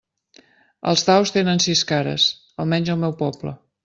Els daus tenen sis cares, almenys al meu poble.